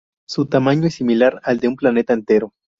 Su tamaño es similar al de un planeta entero.